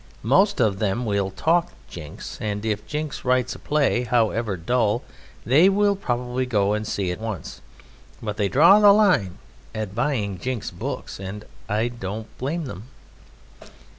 Most of them will talk Jinks, and if Jinks writes a play, however dull, they will probably go and see it once; but they draw the line at buying Jinks's books and I don't blame them.